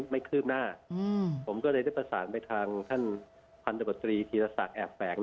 ไม่เคลือบหน้าผมก็ได้ได้ประสาททางท่านพันธุบัตรีธีรศักดิ์แอบแปลก